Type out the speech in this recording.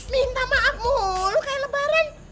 minta maaf mulu kayak lebaran